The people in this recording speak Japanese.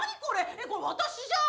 えっこれ私じゃん！